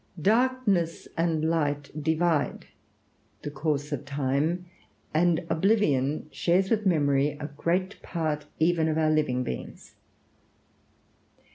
] Darkness and light divide the course of time, and oblivion shares with memory a great part even of our living beings.